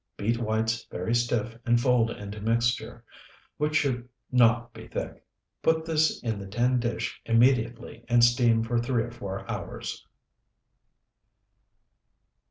Beat whites very stiff and fold into mixture, which should not be thick. Put this in the tin dish immediately and steam for three or four hours.